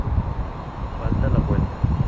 Falta la vuelta